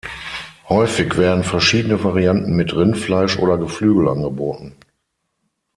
Häufig werden verschiedene Varianten mit Rindfleisch oder Geflügel angeboten.